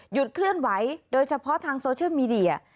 เคลื่อนไหวโดยเฉพาะทางโซเชียลมีเดีย